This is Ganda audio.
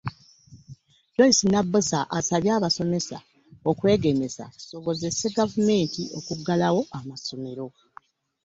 Joyce Nabbosa asabye abasomesa okwegemesa kisobozese gavumenti okuggulawo amasomero